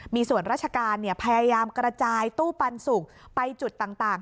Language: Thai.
มีส่วนราชการพยายามกระจายตู้ปันสุกไปจุดต่าง